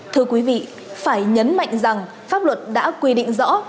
thưa quý vị phải nhấn mạnh rằng pháp luật đã quy định rõ